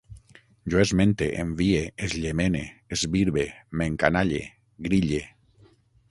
Jo esmente, envie, esllemene, esbirbe, m'encanalle, grille